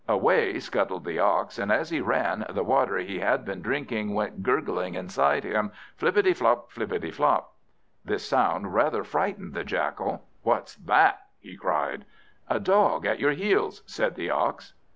Away scuttled the Ox; and as he ran, the water he had been drinking went gurgling inside him, flippity flop, flippity flop. This sound rather frightened the Jackal. "What's that?" he cried. "A dog at your heels," said the Ox.